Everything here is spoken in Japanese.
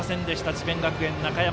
智弁学園、中山。